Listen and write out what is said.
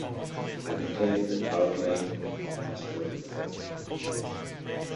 A detailed outline of the movie's plot is available online.